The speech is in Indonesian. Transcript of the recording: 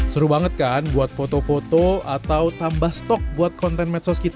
seru banget kan buat foto foto atau tambah stok buat konten medsos kita